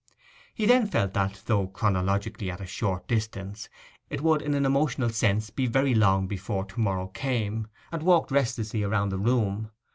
He then felt that, though chronologically at a short distance, it would in an emotional sense be very long before to morrow came, and walked restlessly round the room.